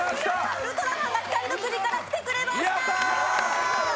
ウルトラマンが光の国から来てくれました！